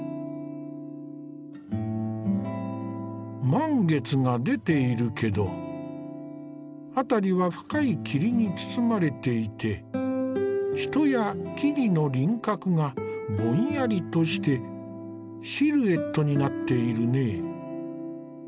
満月が出ているけど辺りは深い霧に包まれていて人や木々の輪郭がぼんやりとしてシルエットになっているね。